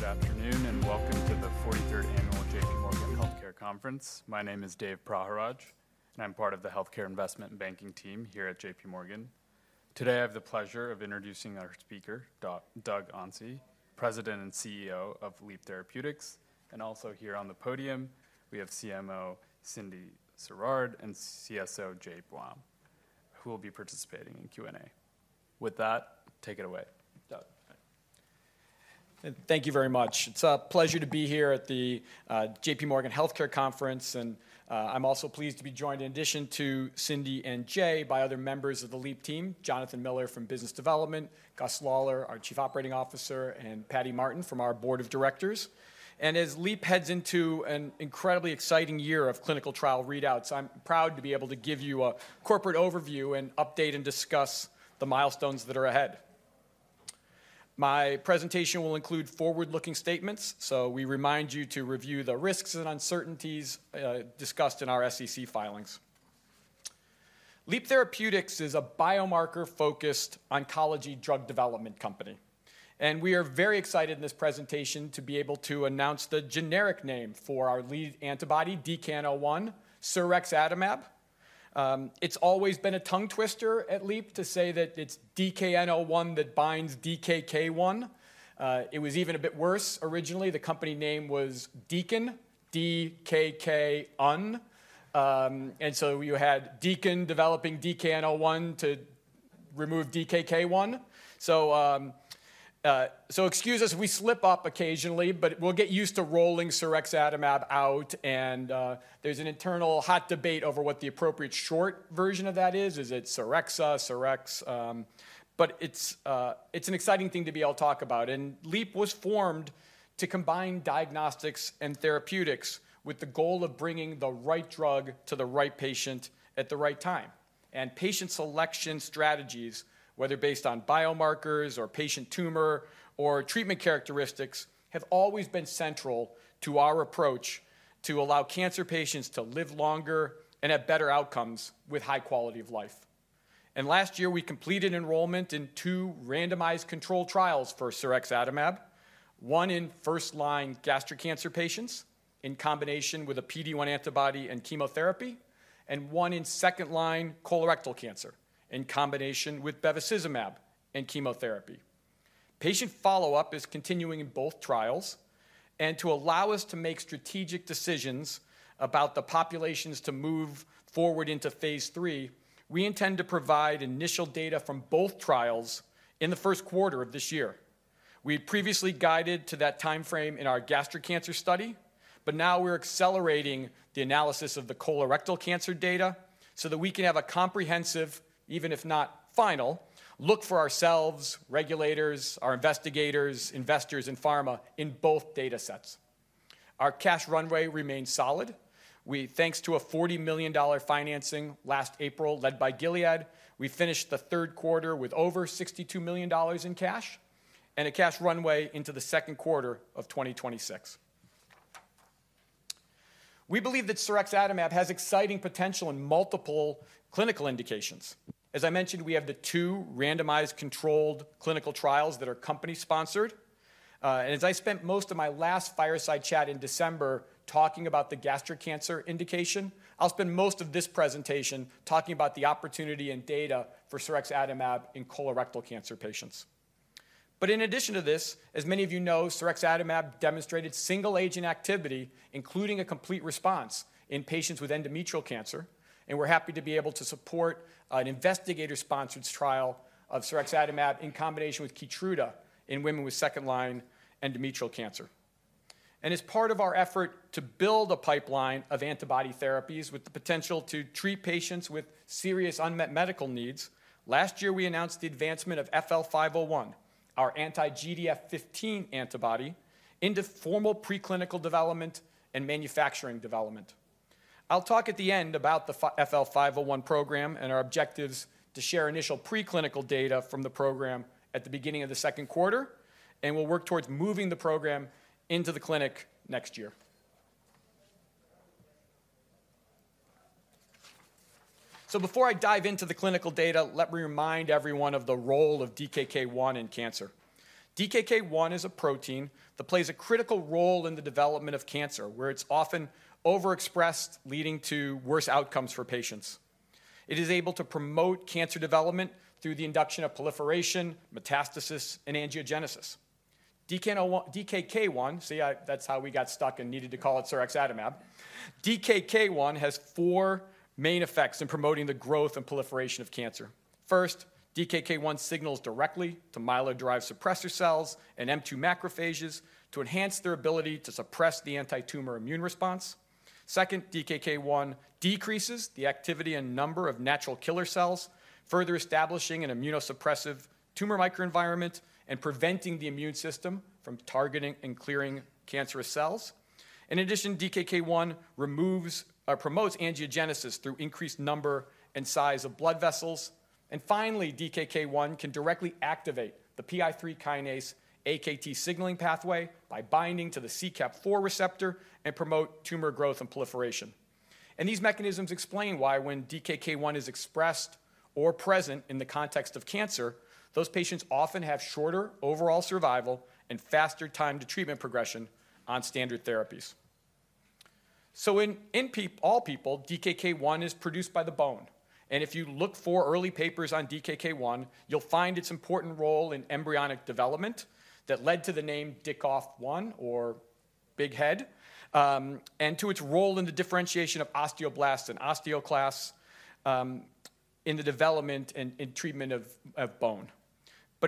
Good afternoon and welcome to the 43rd Annual JPMorgan healthcare conference. My name is Dave Praharaj, and I'm part of the Healthcare Investment and Banking team here at JPMorgan. Today, I have the pleasure of introducing our speaker, Doug Onsi, President and CEO of Leap Therapeutics. And also here on the podium, we have CMO Cyndi Sirard and CSO Jay Baum, who will be participating in Q&A. With that, take it away Doug. Thank you very much. It's a pleasure to be here at the JPMorgan Healthcare Conference, and I'm also pleased to be joined, in addition to Cyndi and Jay, by other members of the Leap team: Jonathan Miller from Business Development, Gus Lawler, our Chief Operating Officer, and Patty Martin from our Board of Directors, and as Leap heads into an incredibly exciting year of clinical trial readouts, I'm proud to be able to give you a corporate overview and update and discuss the milestones that are ahead. My presentation will include forward-looking statements, so we remind you to review the risks and uncertainties discussed in our SEC filings. Leap Therapeutics is a biomarker-focused oncology drug development company, and we are very excited in this presentation to be able to announce the generic name for our lead antibody, DKN-01, sirexatamab. It's always been a tongue twister at Leap to say that it's DKN-01 that binds DKK 1. It was even a bit worse. Originally, the company name was DKN, DKK1. And so you had DKN developing DKN-01 to remove DKK 1. So excuse us, we slip up occasionally, but we'll get used to rolling sirexatamab out, and there's an internal hot debate over what the appropriate short version of that is. Is it Sirexa, Sirex? But it's an exciting thing to be able to talk about. And Leap was formed to combine diagnostics and therapeutics with the goal of bringing the right drug to the right patient at the right time. And patient selection strategies, whether based on biomarkers or patient tumor or treatment characteristics, have always been central to our approach to allow cancer patients to live longer and have better outcomes with high quality of life. Last year, we completed enrollment in two randomized controlled trials for sirexatamab, one in first-line gastric cancer patients in combination with a PD-1 antibody and chemotherapy, and one in second-line colorectal cancer in combination with bevacizumab and chemotherapy. Patient follow-up is continuing in both trials, and to allow us to make strategic decisions about the populations to move forward into phase III, we intend to provide initial data from both trials in the first quarter of this year. We had previously guided to that timeframe in our gastric cancer study, but now we're accelerating the analysis of the colorectal cancer data so that we can have a comprehensive, even if not final, look for ourselves, regulators, our investigators, investors, and pharma in both data sets. Our cash runway remains solid. Thanks to a $40 million financing last April led by Gilead, we finished the third quarter with over $62 million in cash and a cash runway into the second quarter of 2026. We believe that sirexatamab has exciting potential in multiple clinical indications. As I mentioned, we have the two randomized controlled clinical trials that are company-sponsored. And as I spent most of my last fireside chat in December talking about the gastric cancer indication, I'll spend most of this presentation talking about the opportunity and data for sirexatamab in colorectal cancer patients. But in addition to this, as many of you know, sirexatamab demonstrated single-agent activity, including a complete response in patients with endometrial cancer, and we're happy to be able to support an investigator-sponsored trial of sirexatamab in combination with Keytruda in women with second-line endometrial cancer. As part of our effort to build a pipeline of antibody therapies with the potential to treat patients with serious unmet medical needs, last year we announced the advancement of FL-501, our anti-GDF15 antibody, into formal preclinical development and manufacturing development. I'll talk at the end about the FL-501 program and our objectives to share initial preclinical data from the program at the beginning of the second quarter, and we'll work towards moving the program into the clinic next year. Before I dive into the clinical data, let me remind everyone of the role of DKK 1 in cancer. DKK 1 is a protein that plays a critical role in the development of cancer, where it's often overexpressed, leading to worse outcomes for patients. It is able to promote cancer development through the induction of proliferation, metastasis, and angiogenesis. DKK 1, see, that's how we got stuck and needed to call it sirexatamab. DKK 1 has four main effects in promoting the growth and proliferation of cancer. First, DKK 1 signals directly to myeloid-derived suppressor cells and M2 macrophages to enhance their ability to suppress the anti-tumor immune response. Second, DKK 1 decreases the activity and number of natural killer cells, further establishing an immunosuppressive tumor microenvironment and preventing the immune system from targeting and clearing cancerous cells. In addition, DKK 1 promotes angiogenesis through increased number and size of blood vessels. Finally, DKK 1 can directly activate the PI3K/AKT signaling pathway by binding to the CKAP4 receptor and promote tumor growth and proliferation. These mechanisms explain why when DKK 1 is expressed or present in the context of cancer, those patients often have shorter overall survival and faster time to treatment progression on standard therapies. In all people, DKK 1 is produced by the bone. If you look for early papers on DKK 1, you'll find its important role in embryonic development that led to the name Dickkopf-1 or big head, and to its role in the differentiation of osteoblasts and osteoclasts in the development and treatment of bone.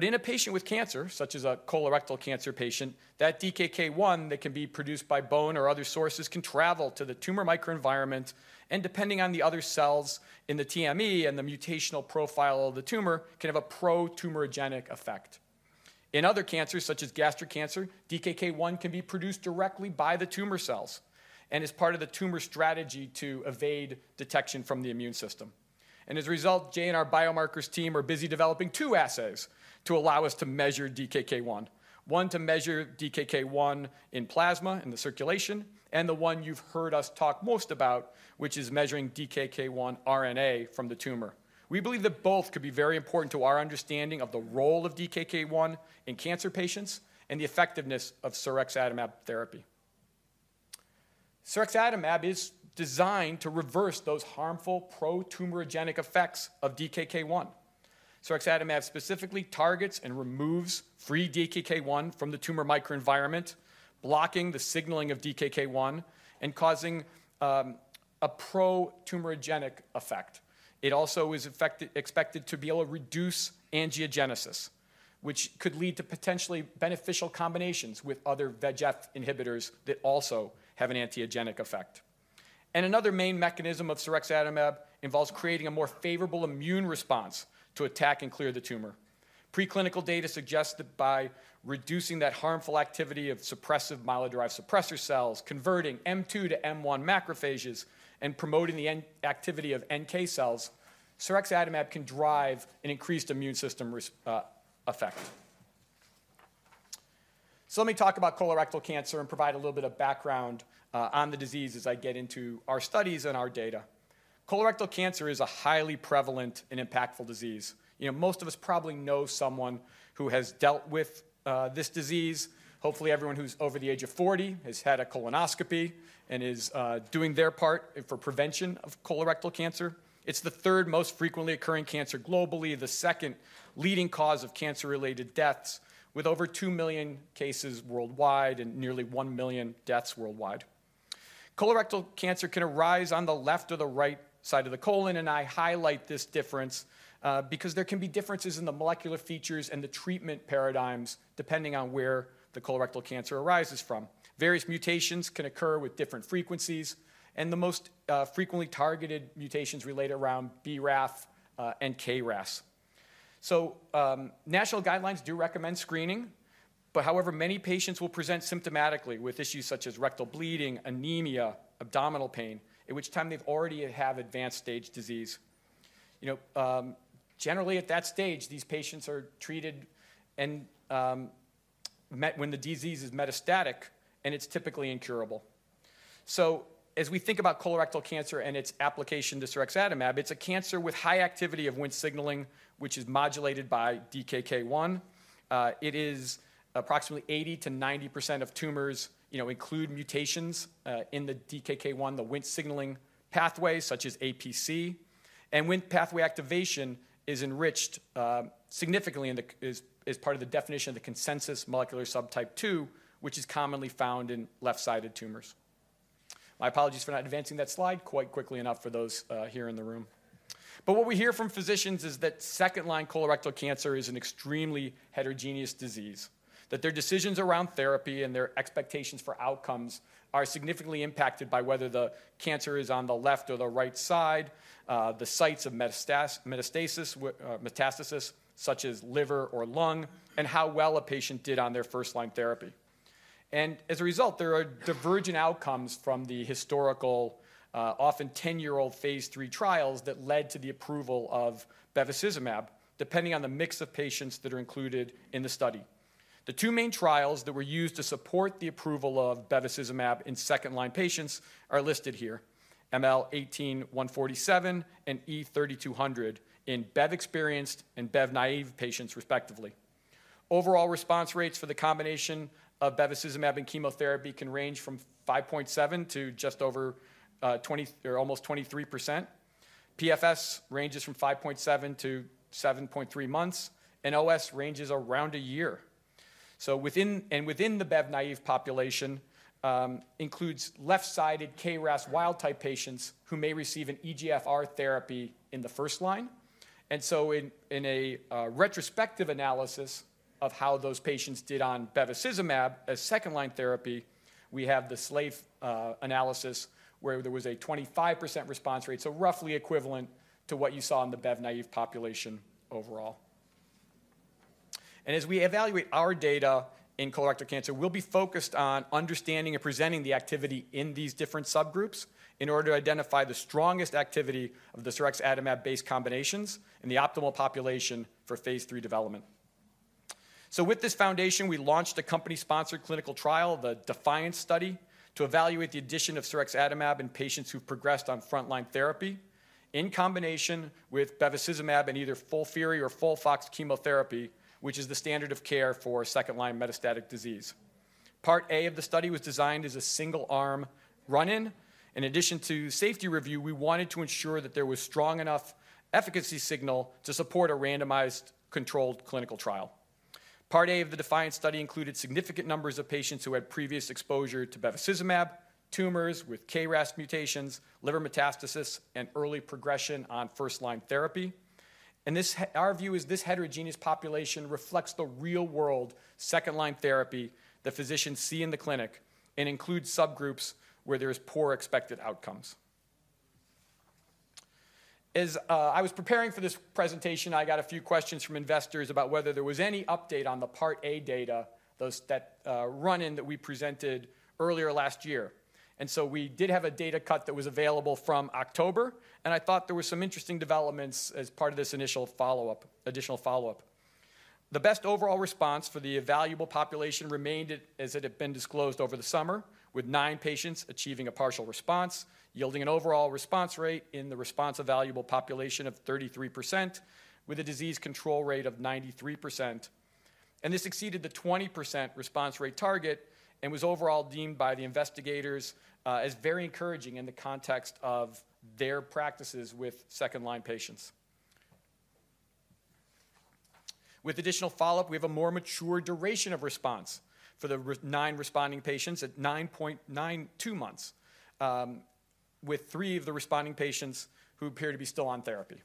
In a patient with cancer, such as a colorectal cancer patient, that DKK 1 that can be produced by bone or other sources can travel to the tumor microenvironment, and depending on the other cells in the TME and the mutational profile of the tumor, can have a pro-tumorigenic effect. In other cancers, such as gastric cancer, DKK 1 can be produced directly by the tumor cells and is part of the tumor strategy to evade detection from the immune system. As a result, Jay and our biomarkers team are busy developing two assays to allow us to measure DKK 1. One to measure DKK 1 in plasma in the circulation, and the one you've heard us talk most about, which is measuring DKK 1 RNA from the tumor. We believe that both could be very important to our understanding of the role of DKK 1 in cancer patients and the effectiveness of sirexatamab therapy. Sirexatamab is designed to reverse those harmful pro-tumorigenic effects of DKK 1. Sirexatamab specifically targets and removes free DKK 1 from the tumor microenvironment, blocking the signaling of DKK 1 and causing a pro-tumorigenic effect. It also is expected to be able to reduce angiogenesis, which could lead to potentially beneficial combinations with other VEGF inhibitors that also have an anti-angiogenic effect. Another main mechanism of sirexatamab involves creating a more favorable immune response to attack and clear the tumor. Preclinical data suggest that by reducing that harmful activity of suppressive myeloid-derived suppressor cells, converting M2 to M1 macrophages, and promoting the activity of NK cells, sirexatamab can drive an increased immune system effect. Let me talk about colorectal cancer and provide a little bit of background on the disease as I get into our studies and our data. Colorectal cancer is a highly prevalent and impactful disease. Most of us probably know someone who has dealt with this disease. Hopefully, everyone who's over the age of 40 has had a colonoscopy and is doing their part for prevention of colorectal cancer. It's the third most frequently occurring cancer globally, the second leading cause of cancer-related deaths, with over 2 million cases worldwide and nearly 1 million deaths worldwide. Colorectal cancer can arise on the left or the right side of the colon, and I highlight this difference because there can be differences in the molecular features and the treatment paradigms depending on where the colorectal cancer arises from. Various mutations can occur with different frequencies, and the most frequently targeted mutations relate around BRAF and KRAS. So national guidelines do recommend screening, but however, many patients will present symptomatically with issues such as rectal bleeding, anemia, abdominal pain, at which time they've already had advanced stage disease. Generally, at that stage, these patients are treated when the disease is metastatic, and it's typically incurable. So as we think about colorectal cancer and its application to sirexatamab, it's a cancer with high activity of Wnt signaling, which is modulated by DKK 1. It is approximately 80%-90% of tumors include mutations in the DKK 1, the Wnt signaling pathway, such as APC. And Wnt pathway activation is enriched significantly and is part of the definition of the consensus molecular subtype 2, which is commonly found in left-sided tumors. My apologies for not advancing that slide quite quickly enough for those here in the room. But what we hear from physicians is that second-line colorectal cancer is an extremely heterogeneous disease, that their decisions around therapy and their expectations for outcomes are significantly impacted by whether the cancer is on the left or the right side, the sites of metastasis, such as liver or lung, and how well a patient did on their first-line therapy. As a result, there are divergent outcomes from the historical, often 10-year-old phase III trials that led to the approval of bevacizumab, depending on the mix of patients that are included in the study. The two main trials that were used to support the approval of bevacizumab in second-line patients are listed here, ML18147 and E3200 in Bev experienced and Bev naive patients, respectively. Overall response rates for the combination of bevacizumab and chemotherapy can range from 5.7% to just over 20% or almost 23%. PFS ranges from 5.7-7.3 months, and OS ranges around a year. So within the Bev naive population includes left-sided KRAS wild-type patients who may receive an EGFR therapy in the first line. And so in a retrospective analysis of how those patients did on bevacizumab as second-line therapy, we have the Sclafani analysis where there was a 25% response rate, so roughly equivalent to what you saw in the Bev naive population overall. And as we evaluate our data in colorectal cancer, we'll be focused on understanding and presenting the activity in these different subgroups in order to identify the strongest activity of the sirexatamab-based combinations in the optimal population for phase III development. So with this foundation, we launched a company-sponsored clinical trial, the DeFiance study, to evaluate the addition of sirexatamab in patients who progressed on front-line therapy in combination with bevacizumab and either FOLFIRI or FOLFOX chemotherapy, which is the standard of care for second-line metastatic disease. Part A of the study was designed as a single-arm run-in. In addition to safety review, we wanted to ensure that there was strong enough efficacy signal to support a randomized controlled clinical trial. Part A of the DeFiance study included significant numbers of patients who had previous exposure to bevacizumab, tumors with KRAS mutations, liver metastasis, and early progression on first-line therapy. And our view is this heterogeneous population reflects the real-world second-line therapy that physicians see in the clinic and includes subgroups where there are poor expected outcomes. As I was preparing for this presentation, I got a few questions from investors about whether there was any update on the Part A data, that run-in that we presented earlier last year. And so we did have a data cut that was available from October, and I thought there were some interesting developments as part of this initial follow-up, additional follow-up. The best overall response for the evaluable population remained as it had been disclosed over the summer, with nine patients achieving a partial response, yielding an overall response rate in the response-evaluable population of 33%, with a disease control rate of 93%. This exceeded the 20% response rate target and was overall deemed by the investigators as very encouraging in the context of their practices with second-line patients. With additional follow-up, we have a more mature duration of response for the nine responding patients at 9.92 months, with three of the responding patients who appear to be still on therapy.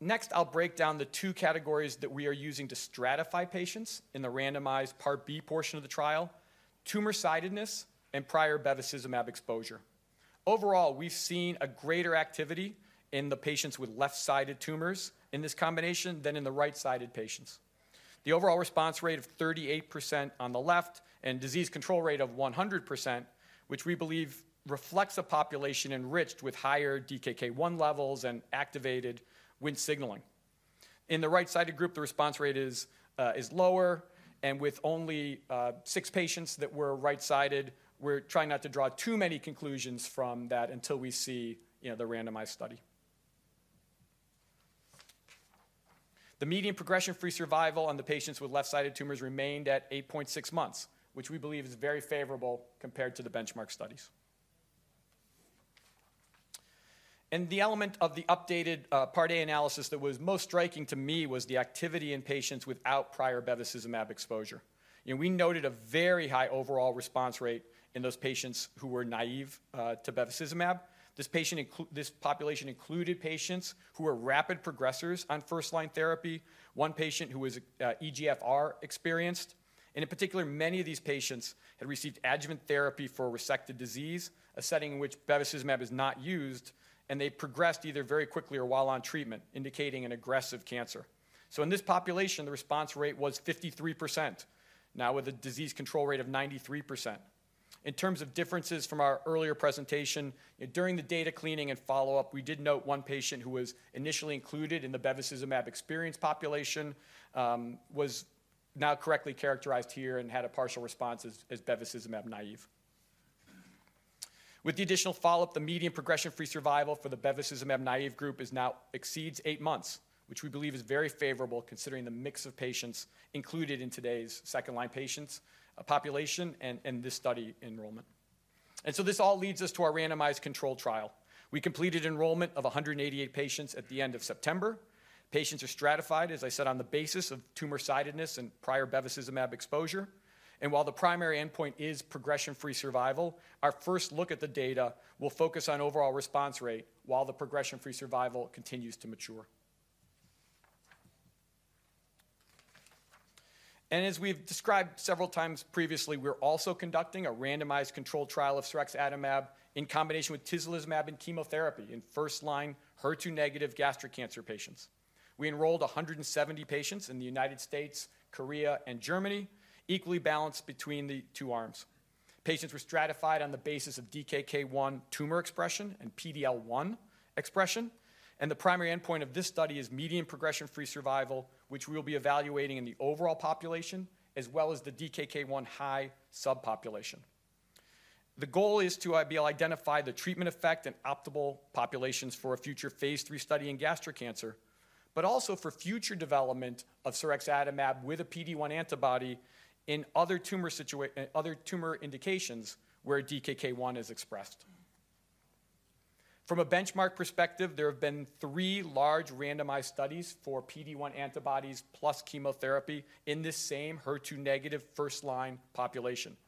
Next, I'll break down the two categories that we are using to stratify patients in the randomized Part B portion of the trial: tumor-sidedness and prior bevacizumab exposure. Overall, we've seen a greater activity in the patients with left-sided tumors in this combination than in the right-sided patients. The overall response rate of 38% on the left and disease control rate of 100%, which we believe reflects a population enriched with higher DKK 1 levels and activated Wnt signaling. In the right-sided group, the response rate is lower, and with only six patients that were right-sided, we're trying not to draw too many conclusions from that until we see the randomized study. The median progression-free survival on the patients with left-sided tumors remained at 8.6 months, which we believe is very favorable compared to the benchmark studies. The element of the updated Part A analysis that was most striking to me was the activity in patients without prior bevacizumab exposure. We noted a very high overall response rate in those patients who were naive to bevacizumab. This population included patients who were rapid progressors on first-line therapy, one patient who was EGFR experienced. And in particular, many of these patients had received adjuvant therapy for resected disease, a setting in which bevacizumab is not used, and they progressed either very quickly or while on treatment, indicating an aggressive cancer. So in this population, the response rate was 53%, now with a disease control rate of 93%. In terms of differences from our earlier presentation, during the data cleaning and follow-up, we did note one patient who was initially included in the bevacizumab experienced population was now correctly characterized here and had a partial response as bevacizumab naive. With the additional follow-up, the median progression-free survival for the bevacizumab naive group now exceeds eight months, which we believe is very favorable considering the mix of patients included in today's second-line patients population and this study enrollment. And so this all leads us to our randomized control trial. We completed enrollment of 188 patients at the end of September. Patients are stratified, as I said, on the basis of tumor-sidedness and prior bevacizumab exposure. And while the primary endpoint is progression-free survival, our first look at the data will focus on overall response rate while the progression-free survival continues to mature. And as we've described several times previously, we're also conducting a randomized control trial of Sirexatamab in combination with tislelizumab and chemotherapy in first-line HER2-negative gastric cancer patients. We enrolled 170 patients in the United States, South Korea, and Germany, equally balanced between the two arms. Patients were stratified on the basis of DKK 1 tumor expression and PD-L1 expression, and the primary endpoint of this study is median progression-free survival, which we'll be evaluating in the overall population as well as the DKK 1 high subpopulation. The goal is to be able to identify the treatment effect and optimal populations for a future phase III study in gastric cancer, but also for future development of sirexatamab with a PD-1 antibody in other tumor indications where DKK 1 is expressed. From a benchmark perspective, there have been three large randomized studies for PD-1 antibodies plus chemotherapy in this same HER2-negative first-line population.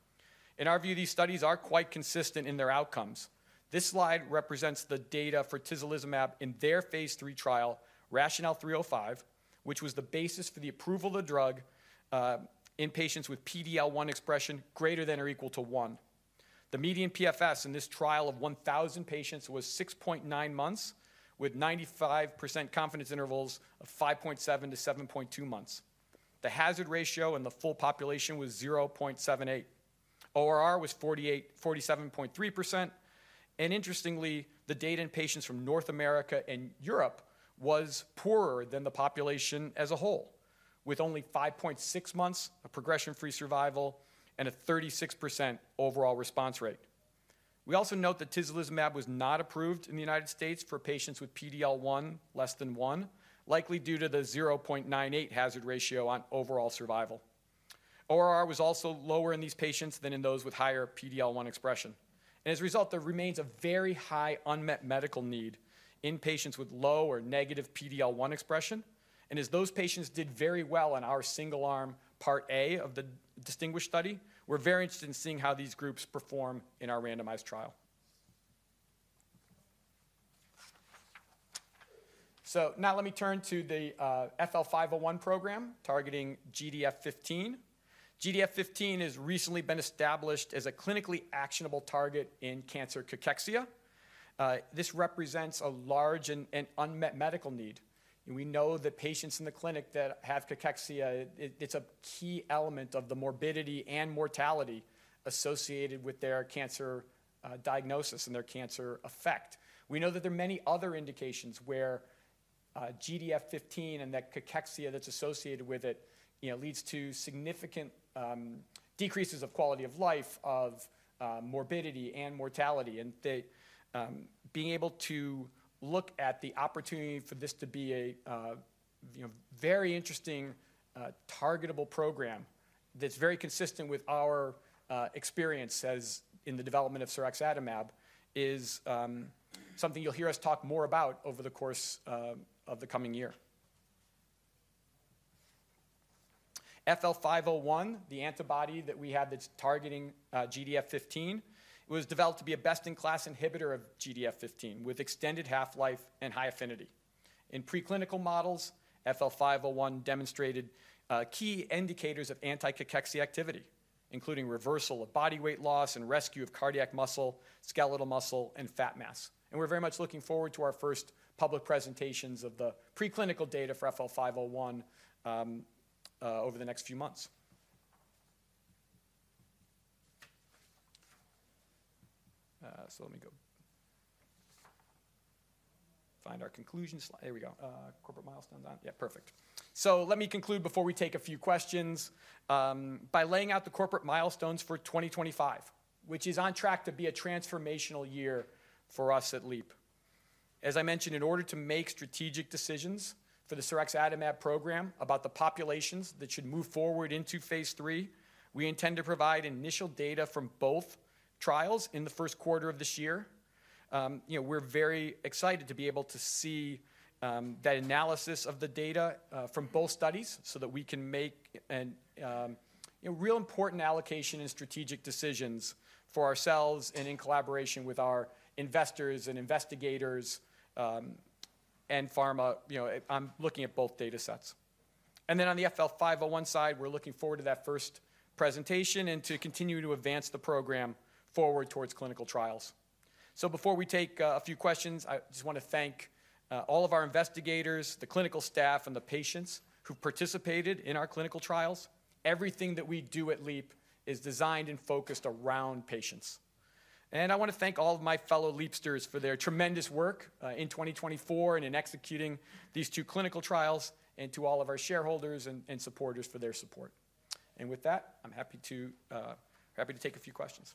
In our view, these studies are quite consistent in their outcomes. This slide represents the data for tislelizumab in their phase III trial, RATIONALE-305, which was the basis for the approval of the drug in patients with PD-L1 expression greater than or equal to one. The median PFS in this trial of 1,000 patients was 6.9 months, with 95% confidence intervals of 5.7-7.2 months. The hazard ratio in the full population was 0.78. ORR was 47.3%. And interestingly, the data in patients from North America and Europe was poorer than the population as a whole, with only 5.6 months of progression-free survival and a 36% overall response rate. We also note that tislelizumab was not approved in the United States for patients with PD-L1 less than one, likely due to the 0.98 hazard ratio on overall survival. ORR was also lower in these patients than in those with higher PD-L1 expression. As a result, there remains a very high unmet medical need in patients with low or negative PD-L1 expression. As those patients did very well on our single-arm Part A of the DisTinGuish study, we're very interested in seeing how these groups perform in our randomized trial. Now let me turn to the FL-501 program targeting GDF15. GDF15 has recently been established as a clinically actionable target in cancer cachexia. This represents a large and unmet medical need. We know that patients in the clinic that have cachexia. It's a key element of the morbidity and mortality associated with their cancer diagnosis and their cancer effect. We know that there are many other indications where GDF15 and that cachexia that's associated with it leads to significant decreases of quality of life, of morbidity and mortality. And being able to look at the opportunity for this to be a very interesting targetable program that's very consistent with our experience in the development of sirexatamab is something you'll hear us talk more about over the course of the coming year. FL-501, the antibody that we have that's targeting GDF15, was developed to be a best-in-class inhibitor of GDF15 with extended half-life and high affinity. In preclinical models, FL-501 demonstrated key indicators of anti-cachexia activity, including reversal of body weight loss and rescue of cardiac muscle, skeletal muscle, and fat mass. And we're very much looking forward to our first public presentations of the preclinical data for FL-501 over the next few months. So let me go find our conclusion slide. There we go. Corporate milestones on. Yeah, perfect. So let me conclude before we take a few questions. By laying out the corporate milestones for 2025, which is on track to be a transformational year for us at Leap, as I mentioned, in order to make strategic decisions for the sirexatamab program about the populations that should move forward into phase III, we intend to provide initial data from both trials in the first quarter of this year. We're very excited to be able to see that analysis of the data from both studies so that we can make a real important allocation and strategic decisions for ourselves and in collaboration with our investors and investigators and pharma. I'm looking at both data sets and then on the FL-501 side, we're looking forward to that first presentation and to continue to advance the program forward towards clinical trials. So before we take a few questions, I just want to thank all of our investigators, the clinical staff, and the patients who participated in our clinical trials. Everything that we do at Leap is designed and focused around patients. And I want to thank all of my fellow Leapsters for their tremendous work in 2024 and in executing these two clinical trials and to all of our shareholders and supporters for their support. And with that, I'm happy to take a few questions.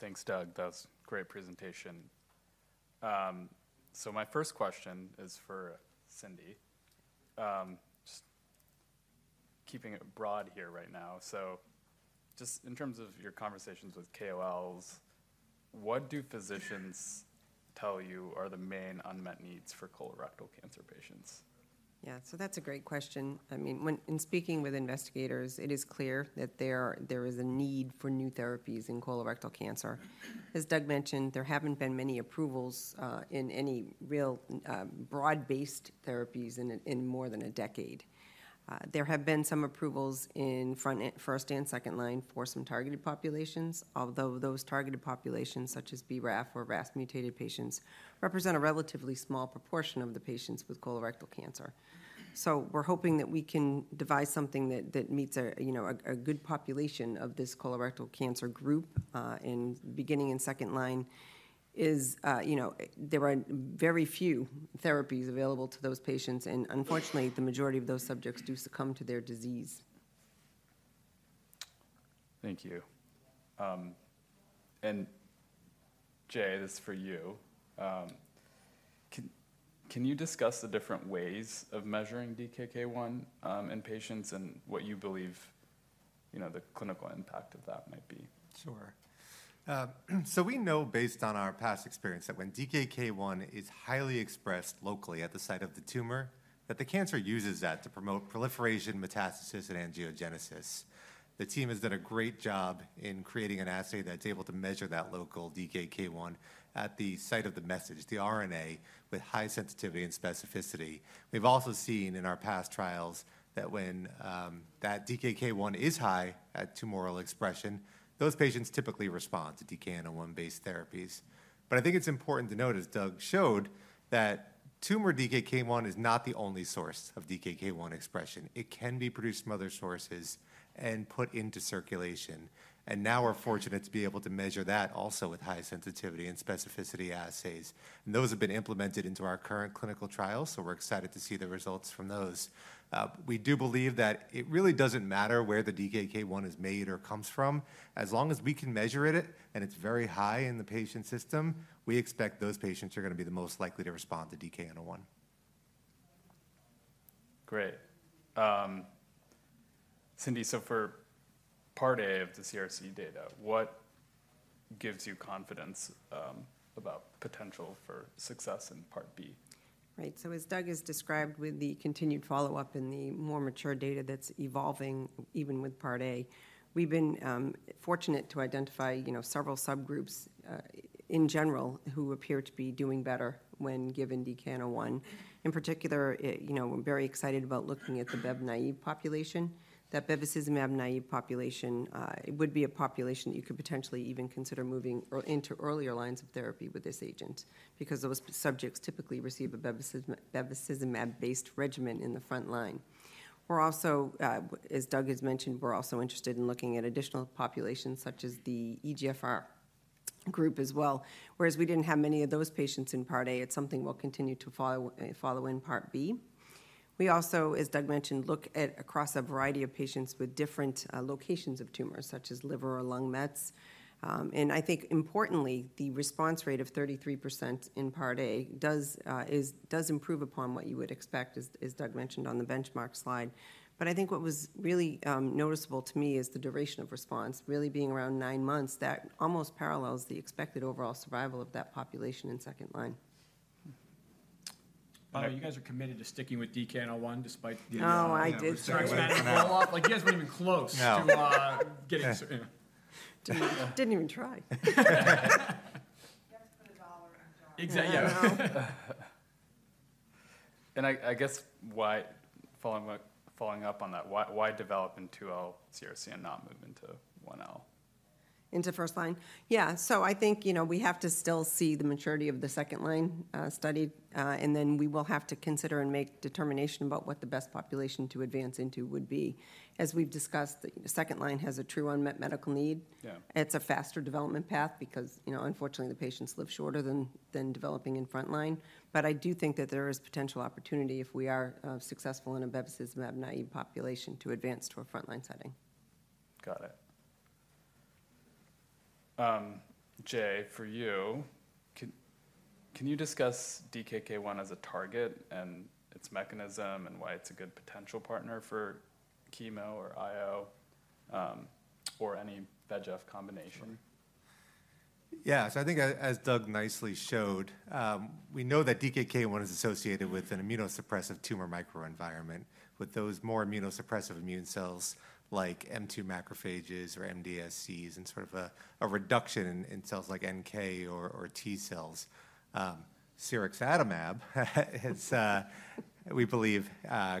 Thanks, Doug. That was a great presentation. So my first question is for Cyndi. Just keeping it broad here right now. So just in terms of your conversations with KOLs, what do physicians tell you are the main unmet needs for colorectal cancer patients? Yeah, so that's a great question. I mean, when speaking with investigators, it is clear that there is a need for new therapies in colorectal cancer. As Doug mentioned, there haven't been many approvals in any real broad-based therapies in more than a decade. There have been some approvals in first and second line for some targeted populations, although those targeted populations, such as BRAF or KRAS mutated patients, represent a relatively small proportion of the patients with colorectal cancer. So we're hoping that we can devise something that meets a good population of this colorectal cancer group in first and second line, as there are very few therapies available to those patients. And unfortunately, the majority of those subjects do succumb to their disease. Thank you. And Jay, this is for you. Can you discuss the different ways of measuring DKK 1 in patients and what you believe the clinical impact of that might be? Sure. So we know based on our past experience that when DKK 1 is highly expressed locally at the site of the tumor, that the cancer uses that to promote proliferation, metastasis, and angiogenesis. The team has done a great job in creating an assay that's able to measure that local DKK 1 at the site of the messenger RNA with high sensitivity and specificity. We've also seen in our past trials that when that DKK 1 is high at tumoral expression, those patients typically respond to DKN-01-based therapies. But I think it's important to note, as Doug showed, that tumor DKK 1 is not the only source of DKK 1 expression. It can be produced from other sources and put into circulation. And now we're fortunate to be able to measure that also with high sensitivity and specificity assays. Those have been implemented into our current clinical trials, so we're excited to see the results from those. We do believe that it really doesn't matter where the DKK 1 is made or comes from. As long as we can measure it and it's very high in the patient's system, we expect those patients are going to be the most likely to respond to DKN-01. Great. Cyndi, so for Part A of the CRC data, what gives you confidence about the potential for success in Part B? Right, so as Doug has described, with the continued follow-up and the more mature data that's evolving, even with Part A, we've been fortunate to identify several subgroups in general who appear to be doing better when given DKN-01. In particular, we're very excited about looking at the Bev naive population. That bevacizumab naive population would be a population that you could potentially even consider moving into earlier lines of therapy with this agent because those subjects typically receive a bevacizumab-based regimen in the front line. We're also, as Doug has mentioned, we're also interested in looking at additional populations such as the EGFR group as well, whereas we didn't have many of those patients in Part A. It's something we'll continue to follow in Part B. We also, as Doug mentioned, look at across a variety of patients with different locations of tumors, such as liver or lung mets. And I think importantly, the response rate of 33% in Part A does improve upon what you would expect, as Doug mentioned on the benchmark slide. But I think what was really noticeable to me is the duration of response, really being around nine months, that almost parallels the expected overall survival of that population in second line. By the way, you guys are committed to sticking with DKN-01 despite the. No, I did. Sorry, I was about to follow up. Like, you guys weren't even close to getting. Didn't even try. You have to put $1 in the jar. Exactly. Yeah. And I guess following up on that, why develop into 2L CRC and not move into 1L? Into first line? Yeah, so I think we have to still see the maturity of the second line study, and then we will have to consider and make determination about what the best population to advance into would be. As we've discussed, the second line has a true unmet medical need. It's a faster development path because, unfortunately, the patients live shorter than developing in front line, but I do think that there is potential opportunity if we are successful in a bevacizumab-naive population to advance to a front line setting. Got it. Jay, for you, can you discuss DKK 1 as a target and its mechanism and why it's a good potential partner for chemo or IO or any VEGF combination? Yeah. So I think, as Doug nicely showed, we know that DKK 1 is associated with an immunosuppressive tumor microenvironment with those more immunosuppressive immune cells like M2 macrophages or MDSCs and sort of a reduction in cells like NK or T cells. Sirexatamab, we believe,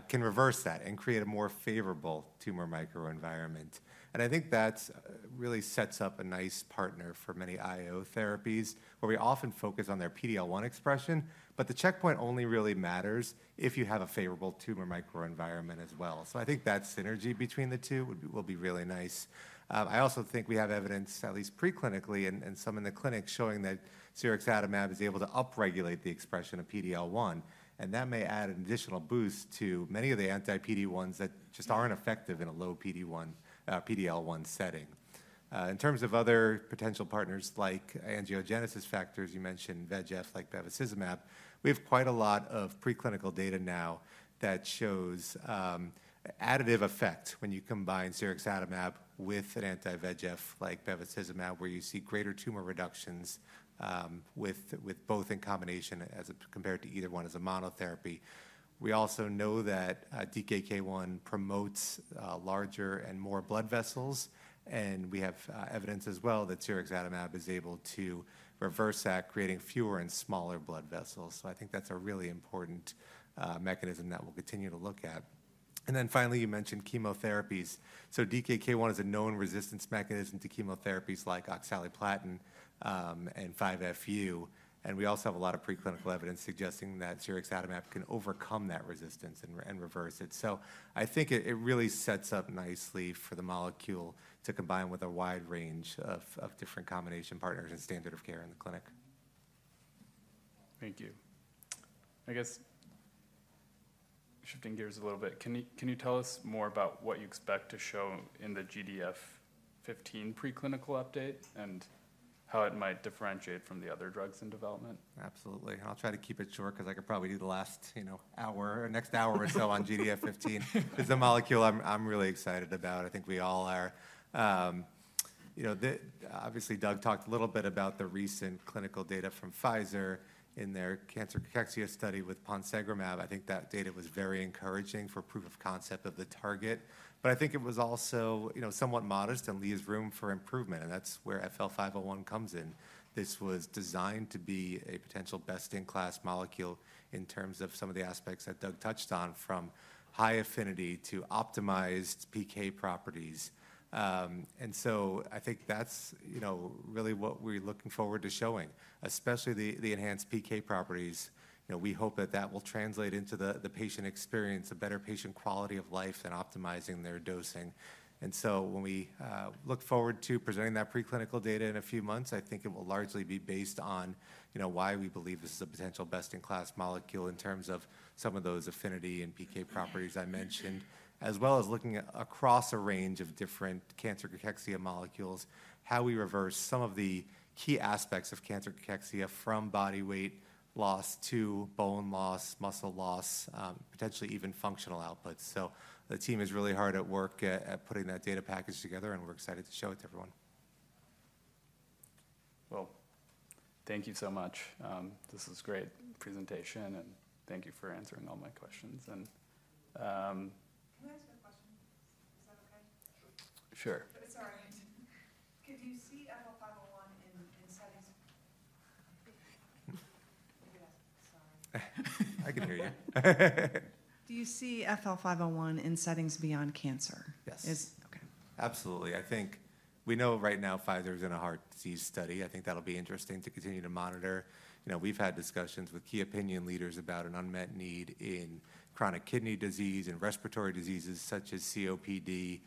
can reverse that and create a more favorable tumor microenvironment. And I think that really sets up a nice partner for many IO therapies where we often focus on their PDL1 expression, but the checkpoint only really matters if you have a favorable tumor microenvironment as well. So I think that synergy between the two will be really nice. I also think we have evidence, at least preclinically and some in the clinic, showing that sirexatamab is able to upregulate the expression of PDL1. And that may add an additional boost to many of the anti-PD-1s that just aren't effective in a low PD-L1 setting. In terms of other potential partners like angiogenesis factors, you mentioned VEGF like bevacizumab. We have quite a lot of preclinical data now that shows additive effect when you combine sirexatamab with an anti-VEGF like bevacizumab, where you see greater tumor reductions with both in combination as compared to either one as a monotherapy. We also know that DKK 1 promotes larger and more blood vessels. And we have evidence as well that sirexatamab is able to reverse that, creating fewer and smaller blood vessels. So I think that's a really important mechanism that we'll continue to look at. And then finally, you mentioned chemotherapies. So DKK 1 is a known resistance mechanism to chemotherapies like oxaliplatin and 5FU. And we also have a lot of preclinical evidence suggesting that sirexatamab can overcome that resistance and reverse it. So I think it really sets up nicely for the molecule to combine with a wide range of different combination partners and standard of care in the clinic. Thank you. I guess shifting gears a little bit, can you tell us more about what you expect to show in the GDF15 preclinical update and how it might differentiate from the other drugs in development? Absolutely. I'll try to keep it short because I could probably do the last hour or next hour or so on GDF15. It's a molecule I'm really excited about. I think we all are. Obviously, Doug talked a little bit about the recent clinical data from Pfizer in their cancer cachexia study with ponsegromab. I think that data was very encouraging for proof of concept of the target. But I think it was also somewhat modest and leaves room for improvement. And that's where FL-501 comes in. This was designed to be a potential best-in-class molecule in terms of some of the aspects that Doug touched on from high affinity to optimized PK properties. And so I think that's really what we're looking forward to showing, especially the enhanced PK properties. We hope that that will translate into the patient experience, a better patient quality of life, and optimizing their dosing, and so when we look forward to presenting that preclinical data in a few months, I think it will largely be based on why we believe this is a potential best-in-class molecule in terms of some of those affinity and PK properties I mentioned, as well as looking across a range of different cancer cachexia molecules, how we reverse some of the key aspects of cancer cachexia from body weight loss to bone loss, muscle loss, potentially even functional outputs, so the team is really hard at work at putting that data package together, and we're excited to show it to everyone. Thank you so much. This was a great presentation, and thank you for answering all my questions. Can I ask a question? Is that okay? Sure. Sorry. Can you see FL-501 in settings? Sorry. I can hear you. Do you see FL-501 in settings beyond cancer? Yes. Okay. Absolutely. I think we know right now Pfizer is in a heart disease study. I think that'll be interesting to continue to monitor. We've had discussions with key opinion leaders about an unmet need in chronic kidney disease and respiratory diseases such as COPD.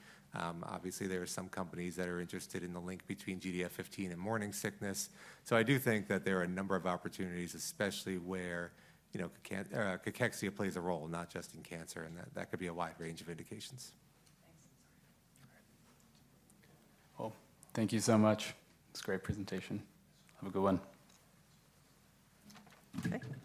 Obviously, there are some companies that are interested in the link between GDF15 and morning sickness. So I do think that there are a number of opportunities, especially where cachexia plays a role, not just in cancer. And that could be a wide range of indications. Thank you so much. It was a great presentation. Have a good one. Okay.